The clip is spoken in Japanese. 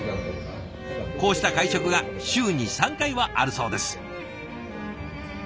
こうした会食が週に３回はあるそうです。